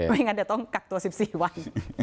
อย่างนั้นเดี๋ยวต้องกักตัว๑๔วัน